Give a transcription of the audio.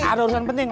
ada urusan penting